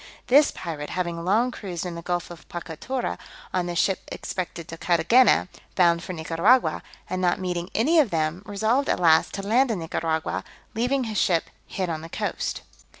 This pirate, having long cruised in the Gulf of Pocatauro, on the ships expected to Carthagena, bound for Nicaragua, and not meeting any of them, resolved at last to land in Nicaragua, leaving his ship hid on the coast.